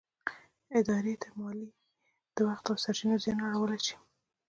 ادارې ته مالي، د وخت او سرچينو زیان اړولی شي.